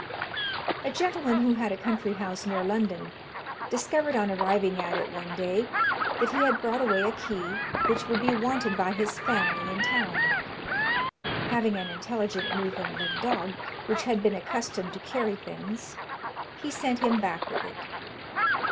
A gentleman who had a country house near London, discovered on arriving at it one day that he had brought away a key, which would be wanted by his family in town. Having an intelligent Newfoundland dog, which had been accustomed to carry things, he sent him back with it.